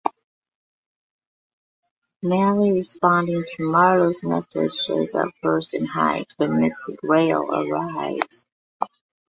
Malloy, responding to Marlowe's message, shows up first and hides when Mrs. Grayle arrives.